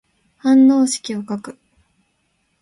反応式を書く。